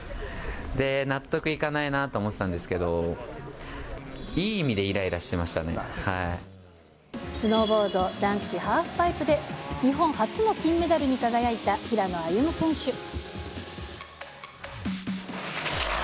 で、納得いかないなと思ってたんですけど、いい意味でいらいらしてまスノーボード男子ハーフパイプで、日本初の金メダルに輝いた平野歩夢選手。